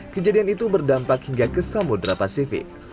kejadian itu berdampak hingga ke samudera pasifik